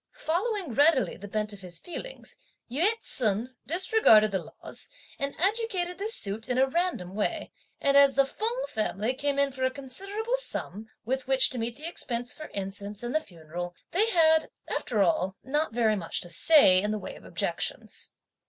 Following readily the bent of his feelings, Yü ts'un disregarded the laws, and adjudicated this suit in a random way; and as the Feng family came in for a considerable sum, with which to meet the expense for incense and the funeral, they had, after all, not very much to say (in the way of objections.)